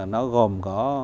nó gồm có